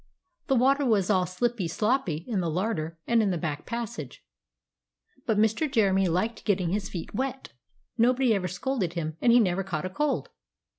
The water was all slippy sloppy in the larder and in the back passage. But Mr. Jeremy liked getting his feet wet; nobody ever scolded him, and he never caught a cold!